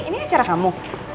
ini acara kamu